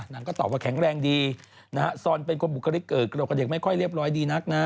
นางก็ตอบว่าแข็งแรงดีนะฮะซอนเป็นคนบุคลิกเกิดกระโหลกกับเด็กไม่ค่อยเรียบร้อยดีนักนะ